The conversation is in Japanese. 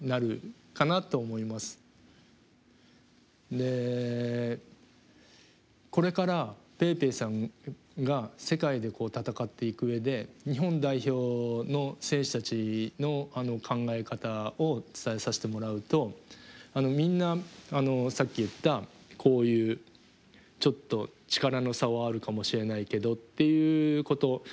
でこれからぺいぺいさんが世界で戦っていく上で日本代表の選手たちの考え方を伝えさせてもらうとみんなさっき言ったこういうちょっと力の差はあるかもしれないけどっていうこと。